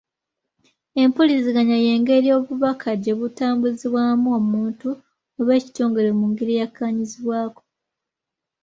Empuliziganya y'engeri obubaka gye butambuzibwamu omuntu oba ekitongole mu ngeri eyakkaannyizibwako.